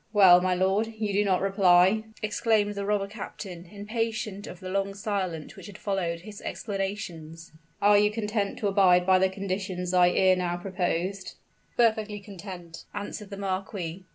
"Well, my lord you do not reply?" exclaimed the robber captain, impatient of the long silence which had followed his explanations. "Are you content to abide by the conditions I ere now proposed?" "Perfectly content," answered the marquis.